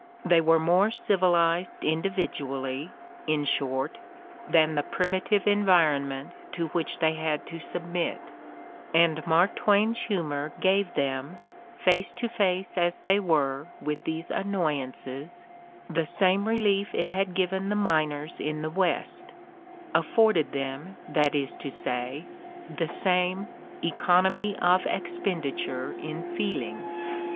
They were more civilized individually, in short, than the primitive environment to which they had to submit: and Mark Twain's humor gave them, face to face as they were with these annoyances, the same re lief it had given the miners in the West, afforded them, that is to say, the same "economy of expenditure in feeling."